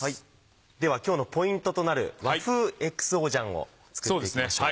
では今日のポイントとなる和風ＸＯ醤を作っていきましょう。